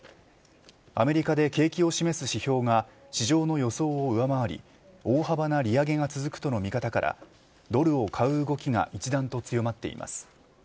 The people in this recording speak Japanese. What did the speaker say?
アメリカで景気を示す指標が市場の予想を上回り大幅な利上げが続くとの見方からドルを買う動きが一段と強まっています。